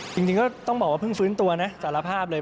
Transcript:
จริงก็ต้องบอกว่าเพิ่งฟื้นตัวนะสารภาพเลย